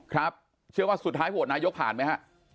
ครับเชื่อว่าสุดท้ายโหวตนายกผ่านไหมฮะ